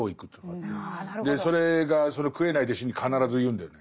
それが食えない弟子に必ず言うんだよね。